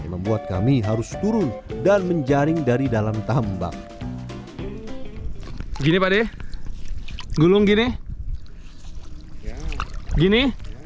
membuat kami harus turun dan menjaring dari dalam tambak gini pade gulung gini gini